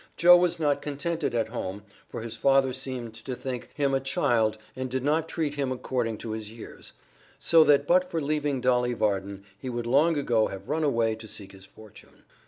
Joe was not contented at home, for his father seemed to think him a child and did not treat him according to his years, so that but for leaving Dolly Varden he would long ago have run away to seek his fortune.